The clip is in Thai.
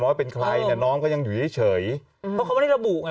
ว่าเป็นใครเนี่ยน้องก็ยังอยู่เฉยเฉยเพราะเขาไม่ได้ระบุไง